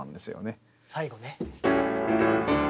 最後ね。